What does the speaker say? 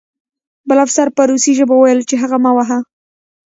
بل افسر په روسي ژبه وویل چې هغه مه وهه